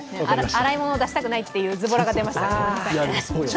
洗い物出したくないというズボラが出ました。